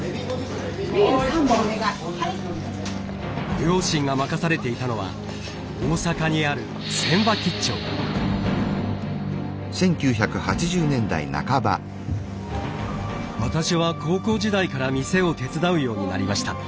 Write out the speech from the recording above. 両親が任されていたのは大阪にある私は高校時代から店を手伝うようになりました。